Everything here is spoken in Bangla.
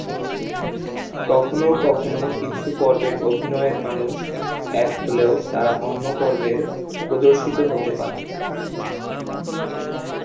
কখনও কখনও কিছু পর্বের অভিনয়ের মানুষ এক হলেও তারা অন্য পর্বের প্রদর্শিত হতে পারে।